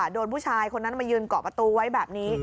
โดนผู้ชายคนนั้นมายืนเกาะประตูไว้แบบนี้